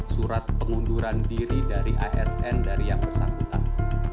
surat pengunduran diri dari asn dari yang bersangkutan